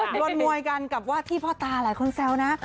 โดนมวยกันกับว่าที่พ่อตาหลายคนแซวนะ